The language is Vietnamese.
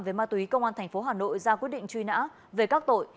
về ma túy công an thành phố hà nội ra quyết định truy nã về các tội